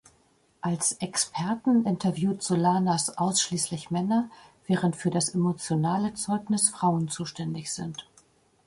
Als 'Experten' interviewt Solanas ausschließlich Männer, während für das emotionale Zeugnis Frauen zuständig sind.